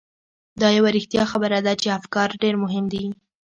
دا یوه رښتیا خبره ده چې افکار ډېر مهم دي.